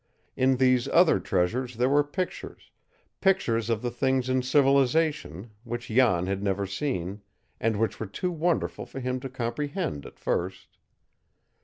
In these other treasures there were pictures pictures of the things in civilization, which Jan had never seen, and which were too wonderful for him to comprehend at first.